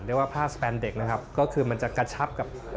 เรียกว่าผ้าสแปนเด็กนะครับ